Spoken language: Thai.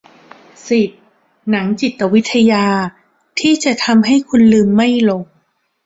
สิบ หนังจิตวิทยา ที่จะทำให้คุณลืมไม่ลง